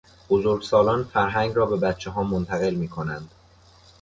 بزرگسالان فرهنگ را به بچهها منتقل میکنند.